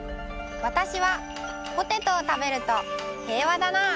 わたしはポテトをたべると平和だなぁ。